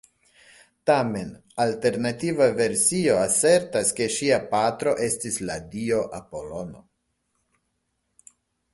Tamen, alternativa versio asertas ke ŝia patro estis la dio Apolono.